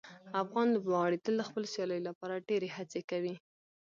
افغان لوبغاړي تل د خپلو سیالیو لپاره ډیرې هڅې کوي.